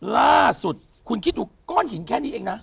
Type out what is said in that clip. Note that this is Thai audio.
ล่าสุดคุณคิดดูก้อนหินแค่นี้เองนะ